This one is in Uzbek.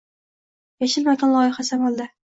“Yashil makon” loyihasi – amaldang